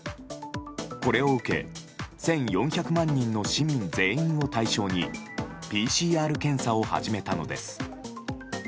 これを受け１４００万人の市民全員を対象にＰＣＲ検査を始めたのです。